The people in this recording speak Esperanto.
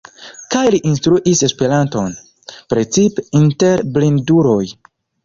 Kaj li instruis Esperanton, precipe inter blinduloj.